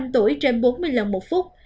một năm tuổi trên bốn mươi lần một phút